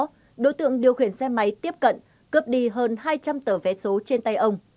ông nhìn rõ đối tượng điều khiển xe máy tiếp cận cướp đi hơn hai trăm linh tờ vé số trên tay ông